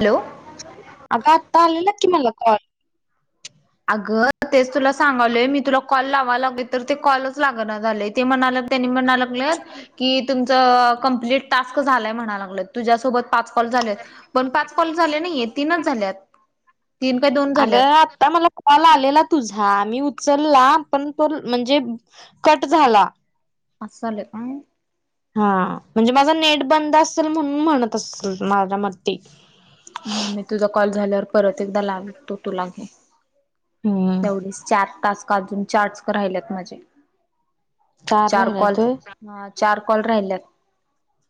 Hello. अगं आत्ता आलेला कि मला कॉल. अगं तेच तुला सांगालोय मी तुला कॉल लावा लागलोय तर ते कॉलच लागना झालंय ते म्हणालय त्यांनी म्हणालं ल्यात की तुमचं कम्प्लीट टास्क झालाय म्हणा लागल्यात तुझ्यासोबत पाच कॉल झाल्यात पण पाच कॉल झाले नाहीयत तीनच झाल्यात तीन काय दोन झाल्यात अगं आता मला कॉल आलेला तुझा मी उचलला पण तो म्हणजे कट झाला. असं झालं काय? हा म्हणजे माझा नेट बंद असेल म्हणून म्हणत असेल माझ्या मती. [unintelligible] म मी तुझा कॉल झाल्यावर परत एकदा लावतो तुला घे. हम्म तेवढस चार टास्क अजून चार्टस क राहिलेत माझे. चार राहिला कॉल तर हा चार कॉल राहिल्यात.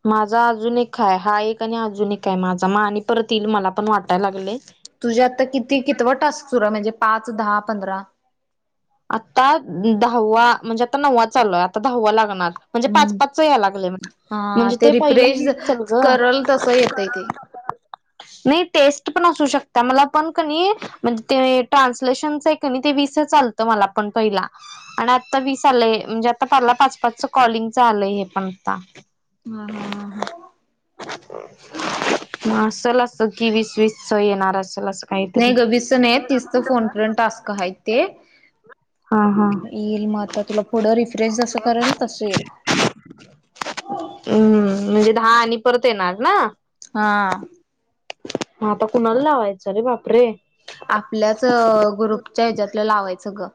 माझा अजून एक हाय एक आणि अजून एक आहे माझा म आणि परत येईल मला पण वाटायला लागलेय. तुझ्या आता किती कितवा टास्क सुरू आहे म्हणजे पाच, दहा, पंधरा? आता दहावा म्हणजे आता नव्वा चालूय आता दहावा लागणार. म्हणजे पाच हम्म पाच या लागलं म हा म्हणजे [unintelligible] ते रिफ्रेश पहिलं चल गं. करल तसं येतय ते नाही टेस्ट पण असू शकत्या मला पण कनी म्हणजे ते ट्रान्सलेशनच आहे काय नाही ते वीस आलतं मला पण पहिला आणि आता वीस आलंय म्हणजे आतापाला पाच पाचच कॉलिंगच आलंय हे पण आता. हा हा हा हा. म असल असं की वीस वीस च येणार असल असं. काहीतरी नाही गं वीसचा नाही तीसचा फोन फ्रेंड टास्क हायत ते. हा हा येईल म आता तुला पुढं रिफ्रेश जसं करेल तसं येईल. हम्म म्हणजे दहा आणि परत येणार ना. हा. मग आता कुणाला लावायचं रे बापरे!. आपल्याच ग्रुपच्या ह्याच्यातलं लावायचं ग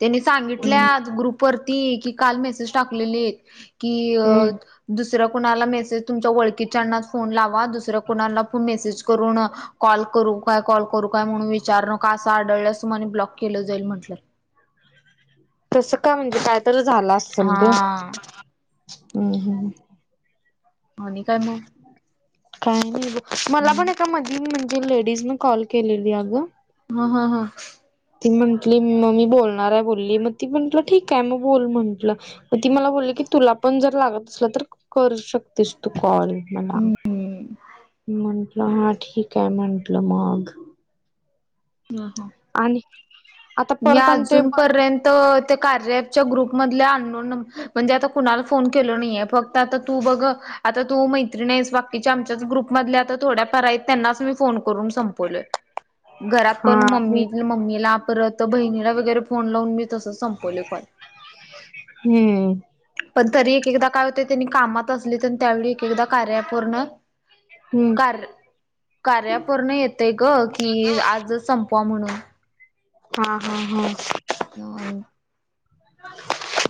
त्यांनी सांगितल्या हम्म अग ग्रुप परती की काल मेसेज टाकलेले आहेत की हम्म दुसऱ्या कुणाला मेसेज तुमच्या ओळखीच्यांनाच फोन लावा दुसऱ्या कुणालाच मेसेज करू ना कॉल करु काय कॉल करू काय म्हणून विचार न का असं आढळल्यासुमने ब्लॉक केलं जाईल म्हटलं. तसं का म्हणजे कायतरी झालं हा असेल ग हम्म हम्म. आणि काय मग? काय नाही ग मला पण ए मधी म्हणजे लेडीज न कॉल केलेली अगं. हा हा हा. ती म्हंटली मग मी बोलणार आहे बोलली मग ती म्हंटलं ठीक आहे मग बोल म्हंटलं. मग ती मला बोलली की तुला पण जर लागत असल तर करू शकतेस तू कॉल. मला हम्म म्हंटलं हा ठीक आहे म्हंटलं मग. हम्म ह. आणि आता मी परत आणि ते बंद अजूनपर्यंत ते कार्याच्या ग्रुप मधल्या अननोन म्हणजे आता कुणाला फोन केल नाहीये बघ. आता तू बघ. आता तू मैत्रीिणीस बाकीच्या आमच्याच ग्रुपमधले आता थोड्या पार आहेत त्यांनाच मी फोन कर करून संपवले घर हा पण मी मम्मी मला परत बहिणीला वगैरे फोन लावून मी तसं सं [unintelligible] हम्म. पण तरी एक एकदा काय होते त्यांनी कामात असली तर त्यावेळी एक एकदा कार्या पूर्ण हम्म. कार कार्यापूर्ण येतय ग की आजच संपवा म्हणून. हा हा हा. [inaudible]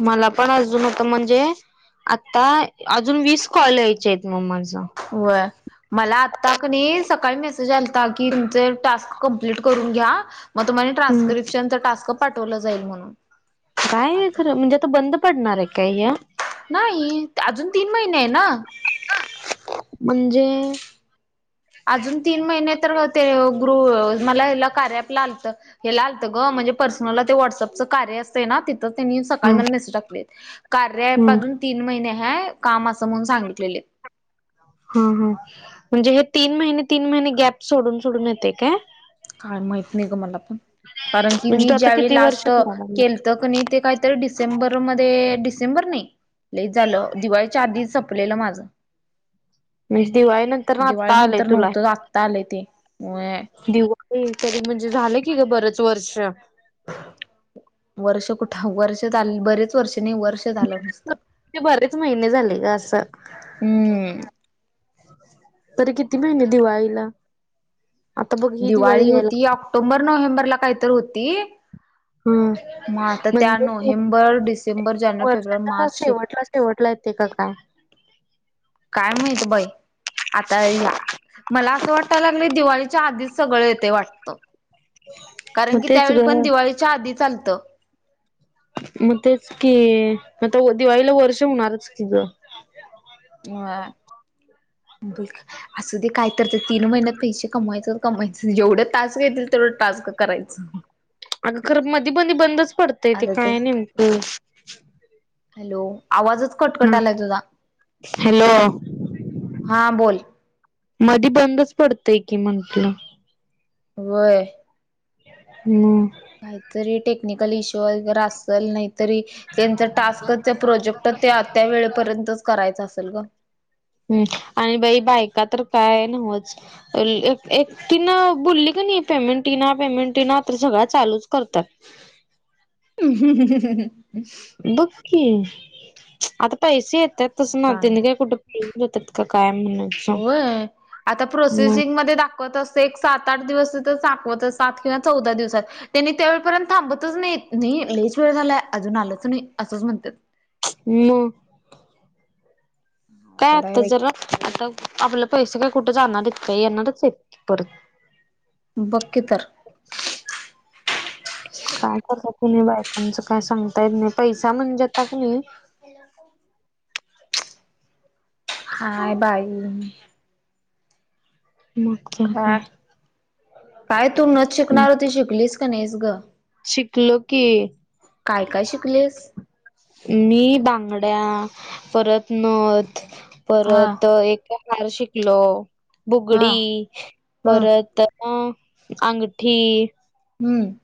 मला पण अजून होत म्हणजे? आता अजून वीस कॉल यायचे आहेत मग माझं व मला आत्ता क नाही सकाळी मेसेज आलता की तुमचे टास्क कंप्लीट करून घ्या मग तुम्हा हम्म ट्रान्स्क्रिप्शन टास्क पाठवलं जाईल म्हणून. काय खरं म्हणजे आता बंद पडणार आहे काय या? नाही अजून तीन महिने आहे ना. म्हणजे अजून तीन महिने तर ते गृ मला हला कार्या अँप ला आलतं हे ला आलंत ग म्हणजे पर्सनलला ते व्हॉट्सअपचं कार्य असतं ना त्यांनी सकाळी हम्म मला मेसेज टाकले कार्याप हम्म. अजून तीन महिने ह्या काम असं म्हणून सांगितलेले. हा हा म्हणजे हे तीन महिने तीन महिने गॅप सोडून सोडून येते काय? काय माहत नाही ग मला पण. कारण की म्हणजे मी तू आता ज्यावेळी किती वर्ष लास्ट कराय लागला केलत क नाही ते काहीतरी डिसेंबरमध्ये ते डिसेंबर नाही लई झालं दिवाळीच्या आधी संपलेला माझं. [unintelligible] दिवाळी नंतर ना दिवाळी आता आलंय नंतर तुला नव्हतं आत्ता आलंय ते व्हय दिवा तरी म्हणजे झालं की ग बरंच वर्ष वर्ष कुठ वर्ष झाल बरेच वर्ष नाही वर्ष झालं नुसतं बरेच महिने झाले ग असं हम्म तरी किती महिने दिवाळीला आता बघ ही दिवाळी यायला ऑक्टोंबर नोव्हेंबरला काही तर होती हम् ह तर त्या नोव्हेंबर डिसेंबर जानेवारी फेब्रुवारी मार्च ए शेवटलाय येते कि काय काय माहित बाई आता या मला असं वाटायला लागलंय दिवाळीच्या आधीच सगळं येतय वाटतं मग कारण की तेच त्यावेळी ग पण दिवाळीच्या आधी आलत मग तेच की म आता दिवाळीला वर्ष होणारच की ग अ ब असू दे काय तर ते तीन महिन्यात पैसे कमायचं कमायचं जेवढं टास येतील तेवढं टास्क करायचं अगं खरं मधी मधी बंदच पडतय ते काय नेमक हॅलो आवाजच कटकट हा आलाय तुझा हॅलो हा बोल मधी बंदच पडतय की म्हटलं होय हम काहीतरी टेक्निकल इश्यू वगैरे असल नाहीतरी त्यांच टास्कच प्रोजेक्ट ते त्या वेळेपर्यंत करायचं असेल ग हम् आणि बाई बायका तर काय न्हवच एकटीन बोलली कनी पेमेंटी येइनि पेमेंट येइना तर सगळंया चालूच करत्यात ह ह बघकी आता पैसे येत्यातच ना बाळ तीते काय कुठ येऊ देत्यात काय म्हणून होय आता प्रोसेसिंग मध्ये दाख कस असत एक सात आठ दिवस तर दाखवत सात किंवा चौदा दिवसात त्यांनी त्यावेेळपर्यंत थांबतच नाही नाही लईच वेळ झालाय अजून आलंच नाही असंच म्हणत्यात ह्म काय अवघड आहे आता बाई. जरा आता आपलं पैसे काय कुठ जाणार आहेत काय येणारच आहेत की परत बकी तर काय कस कुणी बायकांचं काय सांगता येत नाही पैसा म्हणजे आता क नाही काय बाई हम काय काय तू नथ शिकणार होतीस शिकलीस का नाहीस ग शिकलो की काय काय शिकलीस मी बांगड्या परत नथ हा परत एक हार शिकलो हा बुगडी हम्म परत अ आंगठी हम्म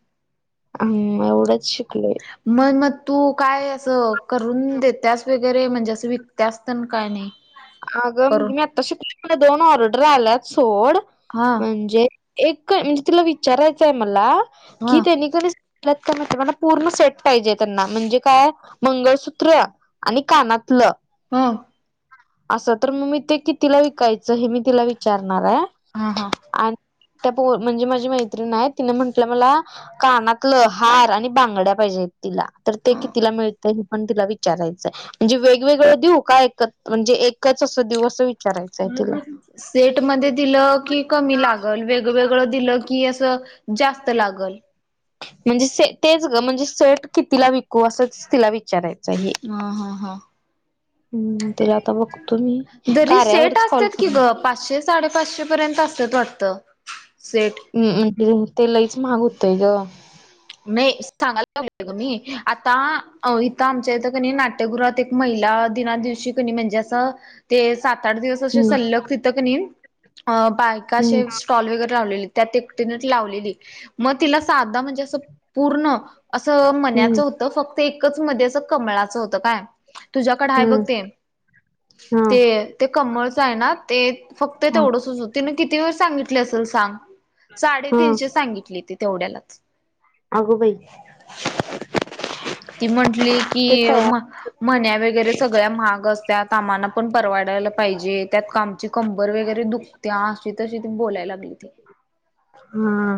हम एवढंच शिकलोय मग मग तू काय असं करून देत्यास वगैरे म्हणजे असं विकत्यास तेन काय नाही अगं करून मी आता शिकलोय खरं दोन ऑर्डर आल्यात सोड हा म्हणजे एक म्हणजे तिला विचारायचंय मला हा कि त्यानी कनी म्ह नातवांना पूर्ण सेट पाहिजे त्यांना म्हणजे काय, मंगळसूत्र आणि कानातलं. हा. असं तर मग मी ते कितीला विकायचं हे मी तिला विचारणार हाय हा हा. आणि पो, म्हणजे माझी मैत्रिण हाय, तिन म्हंटल्या मला कानातलं, हार आणि बांगड्या पाहिजेत. तिला. तर ते कितीला मिळतं, हे पण तिला विचारायचंय? म्हणजे वेगवेगळं दीऊ? का एकत्र म्हणजे एकच अस देऊ, विचारायचय तिला? एकच सेट मध्ये दिलं, की कमी लागल. वेगवेगळं दिलं की असं जास्त लागलं. म्हणजे स तेच ग म्हणजे सेट कितीला विकू असंच तिला विचारायचं. ह, हा, हा. हम्म्. तिला आता बघतो मी, जरी सेट कार्यावरच कॉल असतात करतो. की ग. पाचशे, साडे -पाचशे पर्यंत आसत्यात वाटतं? सेट. हम्म् अ, म ते लईच महाग होतंय ग. नाही, सांगाय पाहिजे ग मी. आता, अ. इथं आमच्या इथं कणी नाट नाट्यगृहात एक, महिला दिना दिवशी कनी म्हणजे असं तेच सात -आठ दिवस असे हम्म सल्लग तिथं कनी. बायका हम्म असे स्टॉल वगैरे लावलेलीत. त्यात एकटीनच लावलेली. मग, तिला साधा म्हणजे असं पूर्ण असं हम्म मण्याचं होतं. फक्त एकच मधे असं कमळाचं होतं काय. तुझ्याकड आहे बघ हम्म ते. हा ते, ते कमळच आहे ना? ते फक्त हा तेवढंसच होत, तिनं किती वेळ सांगितले असेल सांग? हा साडे-तीनशे सांगितलेती, तेवढ्यालाच. अगं बाई! ती म्हंटली की, ते तयार म म्हण्या वगैरे सगळ्या महाग असत्यात. आम्हांना पण परवाडायला पाहिजे. त्यात आमची कंबर वगैरे दुखं ती अशी-तशी ती बोलाय लागली होती. हा.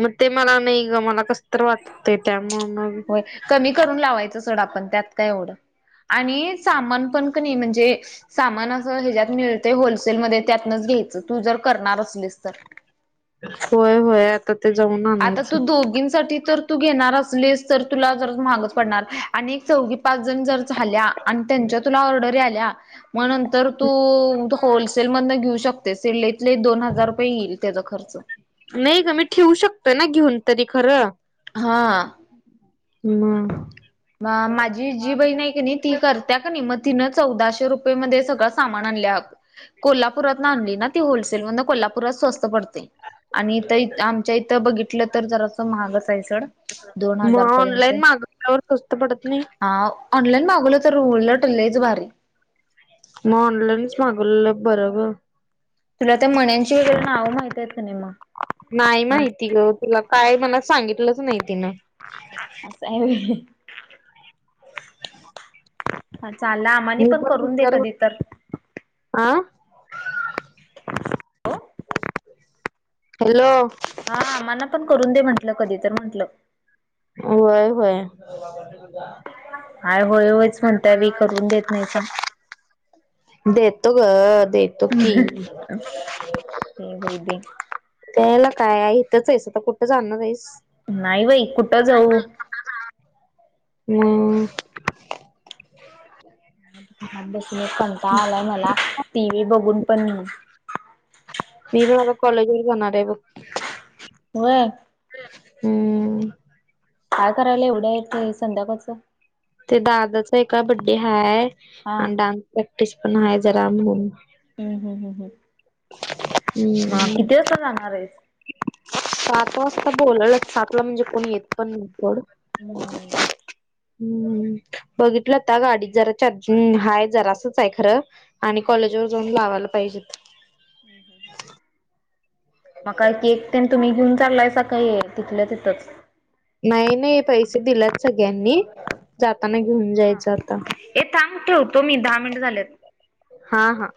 म ते मला नाही गंमना, मला कसं तर वाट ते त्यामुळं मग. ते सोड आपण, त्यात काय एवढं. आणि सामानपण, कनी म्हणजे सामान असं हेज्यात मिळतंय होलसेलमध्ये. त्यातनंच घ्यायचं, तू जर करणार असलीस तर. होय-होय, आ ता, ते जावून आण. आता तू दोघींसाठी तर तू घेणार असलीस, तर तुला जरा महागंच पडणार. आणि एक चौघी-पाचजण जर झाल्या. आणि त्यांच्या तुला ऑर्डरी आल्या, म नंतर तू. होलसेल मधनं घेऊ शकतेस. ते लयीत-लयी, दोन हजार रुपये येईल त्येजा खर्च. नाही गं. मी ठेवू शकतो ना, घेऊन तरी खरं? हां. म, म-माझी जी बहीण आहे कणी? ती करत्या का कणी. म, तिनं चौदाशे रुपये मध्ये सगळं सामान आणल्या अगं. कोल्हापुरातन आणली ना ती होलसेल मधन कोल्हापुरात स्वस्त पडतय. आणि ताई, आमच्या इथं बघितलं तर जरास महागच आहे सोड. दोन-हजार पर्यंत तोवर स्वस्त पडत नाही. हा. ऑनलाईन मागवलं तर? उलंट, लंयीच भारी. मग ऑनलाईनच, मागवलेल बरं गं. तुला त्या मण्यांची वगैरे नावं, माहित आहेत का नाही? मग. नाही माहिती ग. तुला काय, मला सांगितलंच नाही तिनं. आसं आहे व्हय. [inaudible] मी पण करून दे विचार कधी तर. [unintelligible] आ. हॅलो. हा, मला पण करून दे. म्हंटलं, कधी तर म्हंटलं. होय-होय. काय होय-होयच, म्हणताय? मी, करून देत नाहीसां. देतो ग.. देतो की. दे बाई [unintelligible] दे. देईल काय इथंच आहेस आता कुठं जाणार आहेस? नाही बाई कुठं जाऊ. मग. अभ्यासाला कंटाळ आलाय मला टी व्ही बघून पण. मी पण आता कॉलेजर जाणार आहे बघ. होय. हम्म. काय करायला एवढं येतंय संध्याकाळचं? ते दादाचा एका बर्थडे हाय. हा. आणि डान्स प्रॅक्टिस पण आहे जरा बघू. हम्म हम्म हम्म हम्म. मग किती वाजता जाणार आहेस? सात वाजता बोलवल. सातला म्हणजे कोण येत पण नाही एवढं. हम्म. हम्म बघितल आता गाडीत जरा चार्जिंग हाय जरासंच आहे खरं. आणि कॉलेज वर जाऊन लावायला पाहिजेत. मग केक तेन तुम्ही घेऊन चाललायसा सकाळी? तिथल्या तिथंच. नाही नाही पैसे दिलेत सगळ्यांनी जाताना घेऊन जायचं आता. हे थांब ठेवतो मी दहा मिनिट झालेत. हा हा.